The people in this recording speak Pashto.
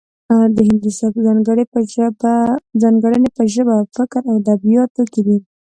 د هندي سبک ځانګړنې په ژبه فکر او ادبیاتو کې دي